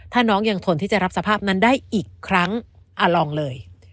ถ้าน้องยังทนที่จะรับสภาพนั้นได้อีกครั้งลองเลย